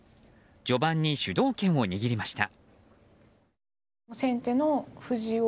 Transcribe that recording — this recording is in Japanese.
序盤に主導権を握りました。